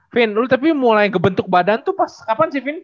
fin lu tapi mulai ke bentuk badan tuh pas kapan sih fin